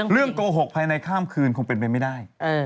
โกหกภายในข้ามคืนคงเป็นไปไม่ได้